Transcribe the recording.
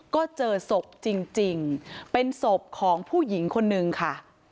ก็เจอศพจริงเป็นศพของผู้หญิงคนนึงค่ะ